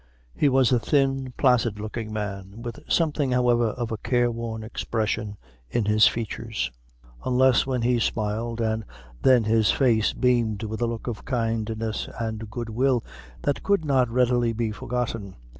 He was a thin placid looking man, with something, however, of a careworn expression in his features, unless when he smiled, and then his face beamed with a look of kindness and goodwill that could not readily be forgotten.